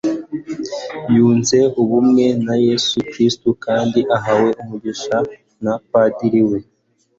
Yunze ubumwe na Yesu Kristo kandi ahawe umugisha na padiri we